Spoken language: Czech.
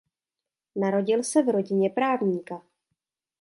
Narodil se v rodině právníka.